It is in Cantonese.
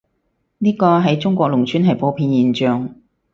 呢個，喺中國農村係普遍現象